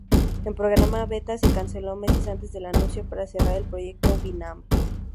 El programa beta se canceló meses antes del anuncio para cerrar el proyecto Winamp.